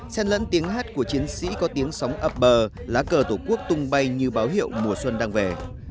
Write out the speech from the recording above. xen lẫn tiếng hát của chiến sĩ có tiếng sóng ập bờ lá cờ tổ quốc tung bay như báo hiệu mùa xuân đang về